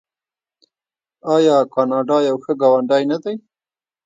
آیا کاناډا یو ښه ګاونډی نه دی؟